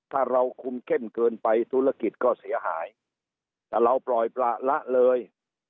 ถ้าเราคุมเข้มเกินไปธุรกิจก็เสียหายแต่เราปล่อยประละเลย